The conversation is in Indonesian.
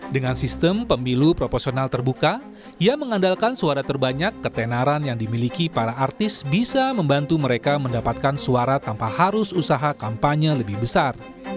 dengan sistem pemilu proporsional terbuka ia mengandalkan suara terbanyak ketenaran yang dimiliki para artis bisa membantu mereka mendapatkan suara tanpa harus usaha kampanye lebih besar